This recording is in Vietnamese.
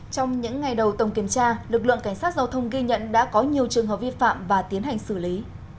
trong những ngày đầu tổng kiểm tra lực lượng cảnh sát giao thông ghi nhận đã có nhiều trường hợp vi phạm và tiến hành xử lý